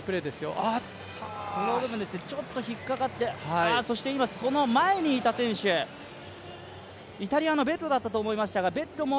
ちょっと引っ掛かって、そして今、その前にいた選手、イタリアのベッロだったと思いますがベッロも